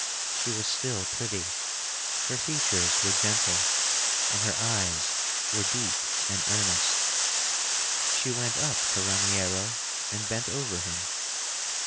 She was still pretty; her features were gentle, and her eyes were deep and earnest. She went up to Raniero and bent over him.